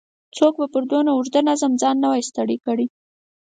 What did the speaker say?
څوک به پر دونه اوږده نظم ځان نه وای ستړی کړی.